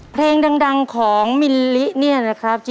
เพลงดังของมิลลิเนี่ยนะครับ